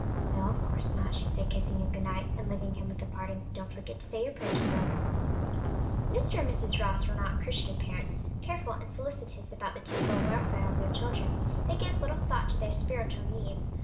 "No, of course not," she said, kissing him good night, and leaving him with a parting, "Don't forget to say your prayers, Phil." Mr. and Mrs. Ross were not Christian parents; careful and solicitous about the temporal welfare of their children, they gave little thought to their spiritual needs.